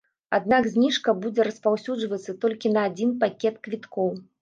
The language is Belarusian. Аднак зніжка будзе распаўсюджвацца толькі на адзін пакет квіткоў.